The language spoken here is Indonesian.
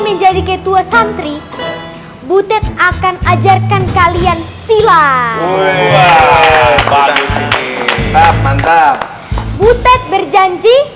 menjadi ketua santri butet akan ajarkan kalian sila woi bagus ini mantap mantap butet berjanji